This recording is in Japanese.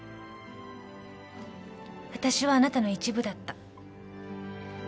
あたしはあなたの一部だった。